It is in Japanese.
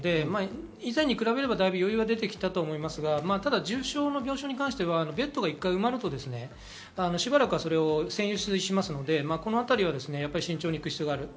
以前に比べれば余裕は出てきたと思いますが、ただ重症の病床に関してはベッドが１回埋まるとしばらく占有しますので、慎重にいく必要があります。